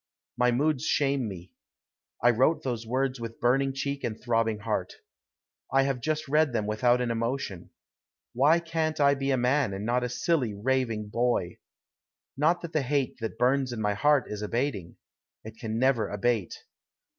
My moods shame me. I wrote those words with burning cheek and throbbing heart. I have just read them without an emotion. Why can't I be a man, and not a silly, raving boy? Not that the hate that burns in my heart is abating. It can never abate.